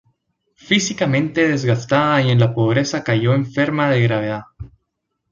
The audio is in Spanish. Físicamente desgastada y en la pobreza cayó enferma de gravedad.